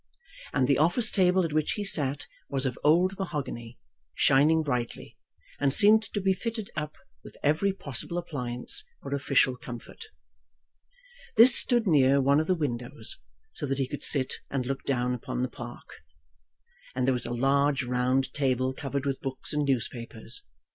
And the office table at which he sat was of old mahogany, shining brightly, and seemed to be fitted up with every possible appliance for official comfort. This stood near one of the windows, so that he could sit and look down upon the park. And there was a large round table covered with books and newspapers.